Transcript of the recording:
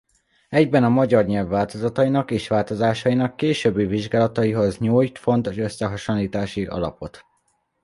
Egyben a magyar nyelv változatainak és változásainak későbbi vizsgálataihoz nyújt fontos összehasonlítási alapot.